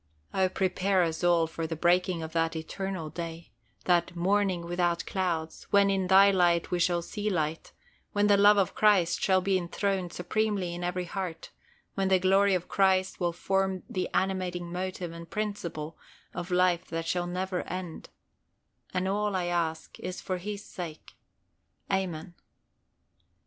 Oh, prepare us all for the breaking of that eternal day that "morning without clouds," when in Thy light we shall see light when the love of Christ shall be enthroned supremely in every heart, when the glory of Christ will form the animating motive and principle of life that shall never end: and all I ask is for His sake. Amen.